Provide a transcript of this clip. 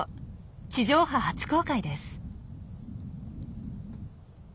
地上波初公開です。